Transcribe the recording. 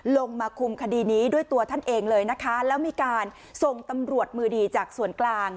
ลงมาคุมคดีนี้ด้วยตัวท่านเองเลยนะคะแล้วมีการส่งตำรวจมือดีจากส่วนกลาง